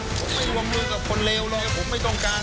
ผมไม่รวมมือกับคนเลวเลยผมไม่ต้องการ